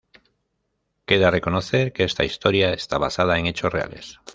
Queda reconocer que esta historia esta basada en hechos reales.